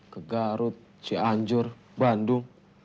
ke garut cianjur bandung